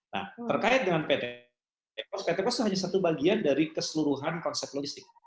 nah terkait dengan pt post pt pos itu hanya satu bagian dari keseluruhan konsep logistik